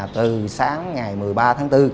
từ sáng ngày một mươi ba tháng bốn